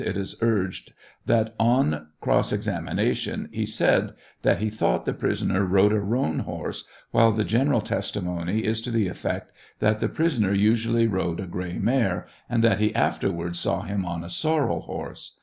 it ia urged that on cross examination he said that he thought the prisoner rode a roan horse, while the general testimony is to the efiect that the prisoner usually rode a gray mare, and that he afterwards saw him on a sorrel horse.